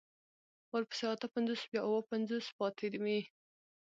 ورپسې اته پنځوس بيا اوه پنځوس پاتې وي.